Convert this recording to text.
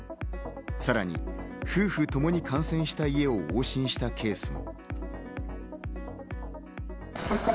さらに夫婦共に感染した家を往診したケースも。